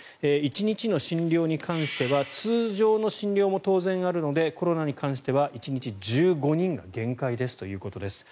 １日の診療に関しては通常の診療も当然あるのでコロナに関しては１日１５人が限界ですということです。